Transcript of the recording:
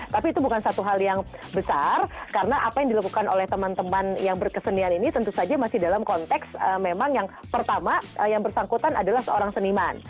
tapi itu bukan satu hal yang besar karena apa yang dilakukan oleh teman teman yang berkesenian ini tentu saja masih dalam konteks memang yang pertama yang bersangkutan adalah seorang seniman